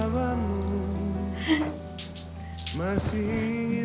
lo kekasih ya